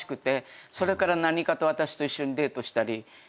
それから何かと私と一緒にデートしたり。